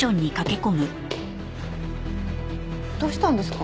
どうしたんですか？